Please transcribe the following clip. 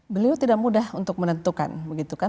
beliau tidak mudah untuk menentukan